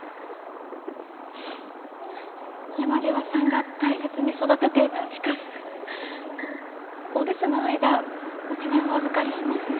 山際さんが大切に育てていたフィカスお留守の間うちでお預かりしますね。